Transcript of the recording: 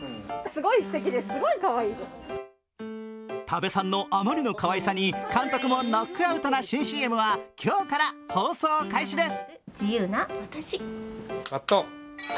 多部さんの、あまりのかわいさに監督もノックアウトな新ＣＭは今日から放送開始です。